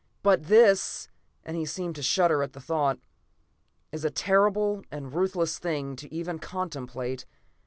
"But this," and he seemed to shudder at the thought, "is a terrible and a ruthless thing to even contemplate.